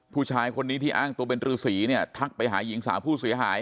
ผู้ชายคนนี้ที่อ้างตัวเป็นรือสีเนี่ยทักไปหาหญิงสาวผู้เสียหาย